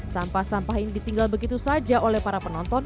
sampah sampah ini ditinggal begitu saja oleh para penonton